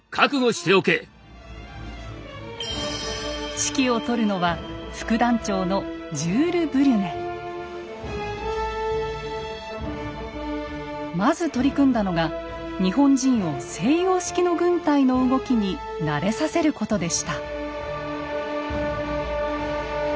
指揮を執るのはまず取り組んだのが日本人を西洋式の軍隊の動きに慣れさせることでした。